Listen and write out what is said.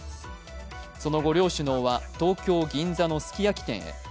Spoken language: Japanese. その後、両首脳は東京・銀座のすき焼き店へ。